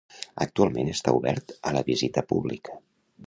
Actualment està obert a la visita pública.